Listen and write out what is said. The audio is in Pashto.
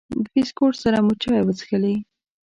د بسکوټ سره مو چای وڅښلې.